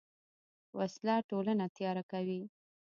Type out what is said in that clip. وسله ټولنه تیاره کوي